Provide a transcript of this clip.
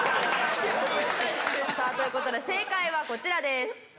さあという事で正解はこちらです。